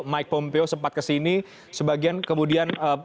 mike pompeo sempat kesini sebagian kemudian